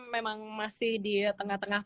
memang masih di tengah tengah